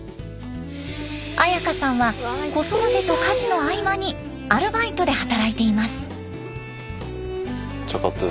彩花さんは子育てと家事の合間にアルバイトで働いています。